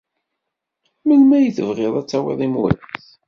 Melmi ay tebɣid ad tawid imuras?